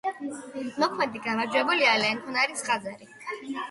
მოქმედი გამარჯვებულია ლენქორანის „ხაზარი“.